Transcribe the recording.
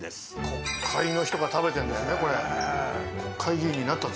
国会の人が食べてるんだよねこれ。